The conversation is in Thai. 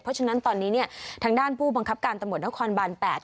เพราะฉะนั้นตอนนี้เนี่ยทางด้านผู้บังคับการตำรวจนครบาน๘